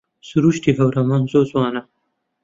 سرووشتی هەورامان زۆر جوانە